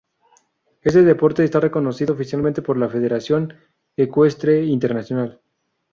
Este deporte está reconocido oficialmente por la Federación Ecuestre Internacional.